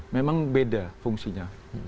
memang beda fungsinya